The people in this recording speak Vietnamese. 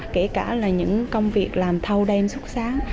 kể cả là những công việc làm thâu đêm xuất sáng